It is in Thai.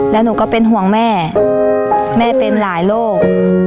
แล้วหนูก็เป็นห่วงแม่แม่เป็นหลายโรค